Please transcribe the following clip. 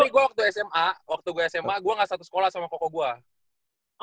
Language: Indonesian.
tapi gue waktu sma gue enggak satu sekolah sama koko gue